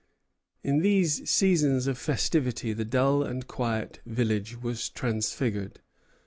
In these seasons of festivity the dull and quiet village was transfigured.